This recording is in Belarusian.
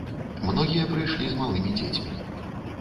Многія прыйшлі з малымі дзецьмі.